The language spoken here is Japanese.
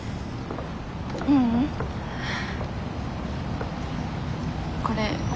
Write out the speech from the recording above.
ううん。これ。